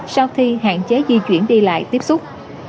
sau khi hạn chế di chuyển đi lại tiếp xúc